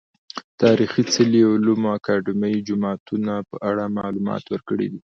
تاريخي څلي، علومو اکادميو، جوماتونه په اړه معلومات ورکړي دي .